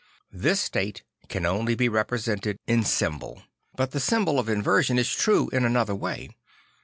This state can only be represented in symbol; but the symbol of inversion is true in another way.